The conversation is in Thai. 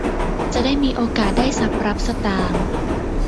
จะมีโอกาสได้ทรัพย์รับสตางค์